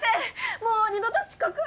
もう二度と遅刻は！